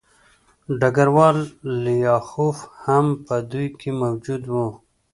ډګروال لیاخوف هم په دوی کې موجود و